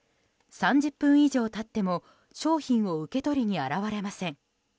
３０分以上経っても商品を受け取りに現れません。